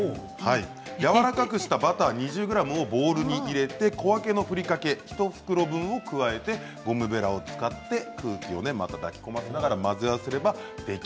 やわらかくしたバター２０ｇをボウルに入れて小分けのふりかけ１袋分を加えてゴムべらを使って空気を含ませながら混ぜ合わせれば大丈夫です。